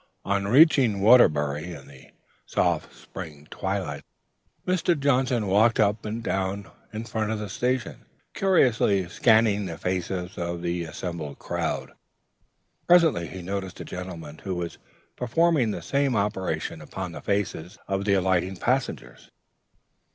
On reaching Waterbury, in the soft spring twilight, Mr. Johnson walked up and down in front of the station, curiously scanning the faces of the assembled crowd. Presently he noticed a gentleman who was performing the same operation upon the faces of the alighting passengers.